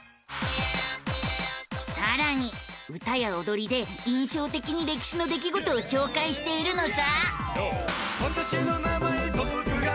さらに歌やおどりで印象的に歴史の出来事を紹介しているのさ！